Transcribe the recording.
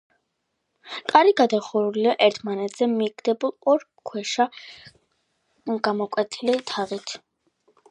კარი გადახურულია ერთმანეთზე მიდგმულ ორ ქვაში გამოკვეთილი თაღით.